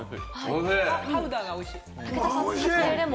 パウダーがおいしい。